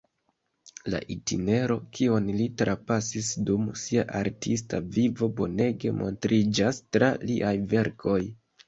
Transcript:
La itinero, kion li trapasis dum sia artista vivo, bonege montriĝas tra liaj verkoj.